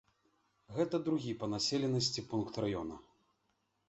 Гэта другі па населенасці пункт раёна.